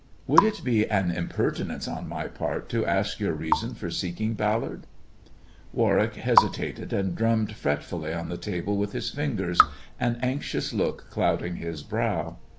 Would it be an impertinence on my part to ask your reason for seeking Ballard 1 " Warwick hesitated, and drummed fretfully on the table with his fingers, an anxious look clouding his brow.